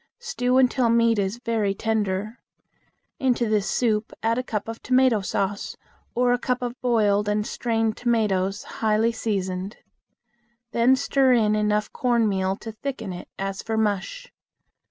Stew until meat is very tender. Into this soup add a cup of tomato sauce or a cup of boiled and strained tomatoes highly seasoned. Then stir in enough cornmeal to thicken it as for mush.